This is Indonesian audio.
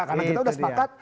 karena kita sudah sepakat